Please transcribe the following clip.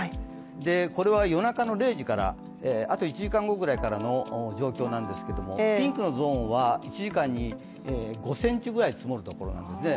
これは夜中の０時から、あと１時間後くらいからの状況なんですけれども、ピンクのゾーンは１時間に５ｃｍぐらい積もるところなんですね。